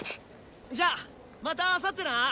じゃまたあさってな。